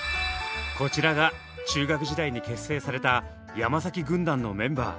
こちらが中学時代に結成された山崎軍団のメンバー。